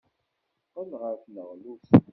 Teqqel ɣer tneɣlust.